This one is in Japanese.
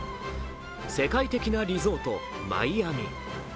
世界的なリゾート・マイアミ。